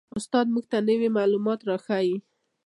استاد موږ ته نوي معلومات را ښیي